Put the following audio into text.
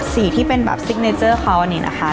สีที่เป็นแบบซิโกรค์ศัยเขาอันนี้นะคะ